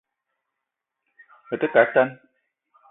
Me te ke a tan